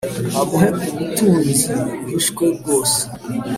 amuhe ubutunzi buhishwe bwose